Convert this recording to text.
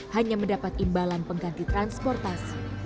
hanya mendapat imbalan pengganti transportasi